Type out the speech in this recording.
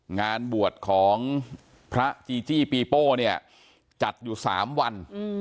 งานบวชของพระจีจี้ปีโป้เนี่ยจัดอยู่๓วัน